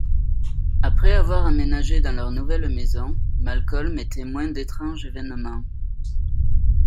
Après avoir emménagé dans leur nouvelle maison, Malcolm est témoin d'étranges évènements.